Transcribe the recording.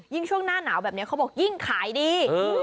ช่วงหน้าหนาวแบบนี้เขาบอกยิ่งขายดี